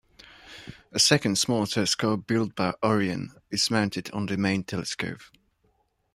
A second, smaller telescope built by Orion is mounted on the main telescope.